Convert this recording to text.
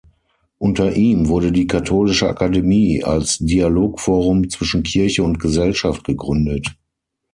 Unter ihm wurde die Katholische Akademie als Dialogforum zwischen Kirche und Gesellschaft gegründet.